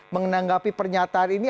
menanggapi pernyataan ini